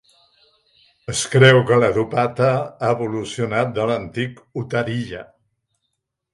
Es creu que la "dupatta" ha evolucionat de l'antic "uttariya".